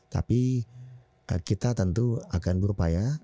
tapi kita tentu akan berupaya